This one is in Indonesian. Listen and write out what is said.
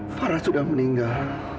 farah sudah meninggal